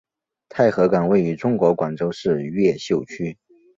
太和岗位于中国广州市越秀区。